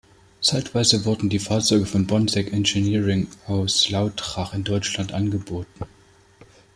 Zeitweise wurden die Fahrzeuge von "Bonsack Engineering" aus Lautrach in Deutschland angeboten.